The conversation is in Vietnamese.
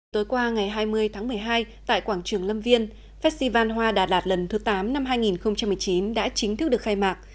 tối qua ngày hai mươi tháng một mươi hai tại quảng trường lâm viên festival hoa đà lạt lần thứ tám năm hai nghìn một mươi chín đã chính thức được khai mạc